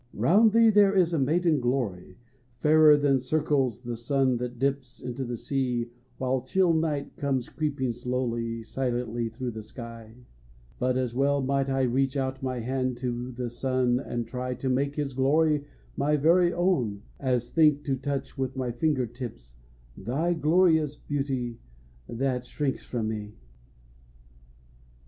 Round thee there is a maiden glory Fairer than circles the sun that dips Into the sea while chill night comes creeping Slowly, silently through the sky; But as well might I Reach out my hand to the sun and try To make his glory my very own As think to touch with my finger tips Thy glorious beauty that shrinks from me.